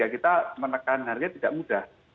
kita menekan harga tidak mudah